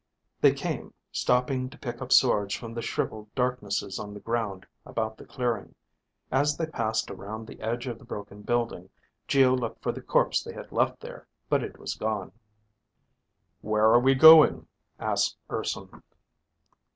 They came, stopping to pick up swords from the shriveled darknesses on the ground about the clearing. As they passed around the edge of the broken building, Geo looked for the corpse they had left there, but it was gone. "Where are we going?" asked Urson.